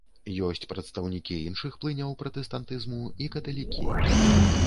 Ёсць прадстаўнікі іншых плыняў пратэстантызму і каталікі.